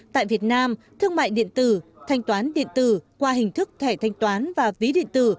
tại việt nam thương mại điện tử thanh toán điện tử qua hình thức thẻ thanh toán và ví điện tử